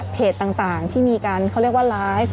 ต่างที่มีการเขาเรียกว่าไลฟ์